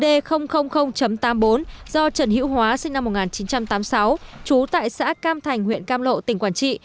do trần hữu hóa sinh năm một nghìn chín trăm tám mươi sáu trú tại xã cam thành huyện cam lộ tỉnh quảng trị